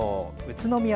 宇都宮。